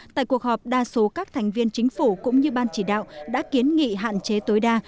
tại cuộc họp đa số các thành viên chính phủ cũng như ban chỉ đạo đã kiến nghị hạn chế tối đa